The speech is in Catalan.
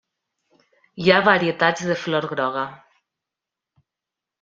Hi ha varietats de flor groga.